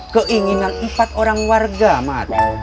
keinginan empat orang warga mati